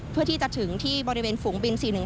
เพื่อที่จะถึงที่บริเวณฝูงบิน๔๑๒